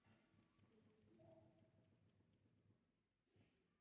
Guruŋ no kah yaŋ ɓe.